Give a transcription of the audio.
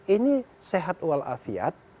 ini sehat walafiat